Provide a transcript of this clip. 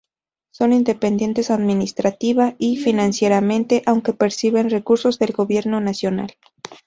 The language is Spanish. Son independientes administrativa y financieramente, aunque perciben recursos del gobierno nacional.